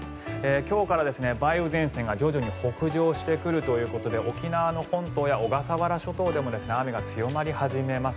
今日から梅雨前線が徐々に北上してくるということで沖縄の本島や小笠原諸島でも雨が強まり始めます。